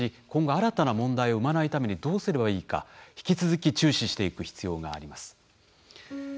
新たな問題を生まないためにどうすればいいか引き続き注視していく必要があります。